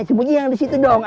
sebunyi yang di situ dong